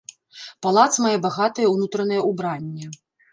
Палац мае багатае ўнутранае ўбранне.